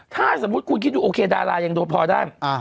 ถ้าสมมุติคุณคิดดูโอเคดารายังดูพอได้